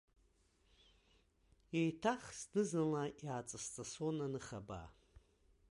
Еиҭах, зны-зынла иааҵысҵысуан аныхабаа.